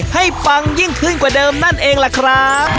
ปังยิ่งขึ้นกว่าเดิมนั่นเองล่ะครับ